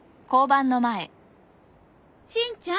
しんちゃん。